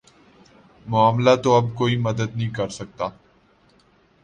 معاملہ تو اب کوئی مدد نہیں کر سکتا